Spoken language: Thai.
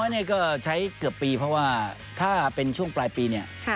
นี่ก็ใช้เกือบปีเพราะว่าถ้าเป็นช่วงปลายปีเนี่ย